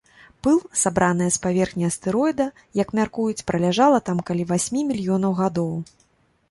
Пыл, сабраная з паверхні астэроіда, як мяркуюць, праляжала там каля васьмі мільёнаў гадоў.